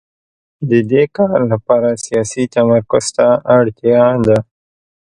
د دې کار لپاره سیاسي تمرکز ته اړتیا ده.